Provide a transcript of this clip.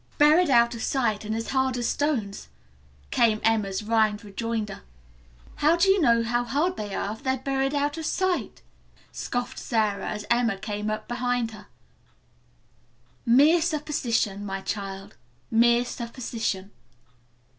"Buried out of sight and as hard as stones," came Emma's rhymed rejoinder. "How do you know how hard they are if they're buried out of sight!" scoffed Sara as Emma came up beside her. "Mere supposition, my child, mere supposition."